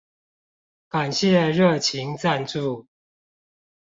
感謝熱情贊助